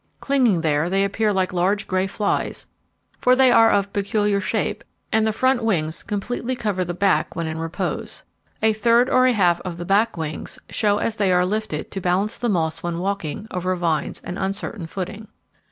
Clinging there they appear like large grey flies, for they are of peculiar shape, and the front wings completely cover the back when in repose. A third or a half of the back wings show as they are lifted to balance the the moths when walking over vines and uncertain footing.